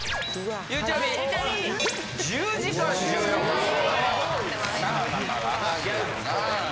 すごい。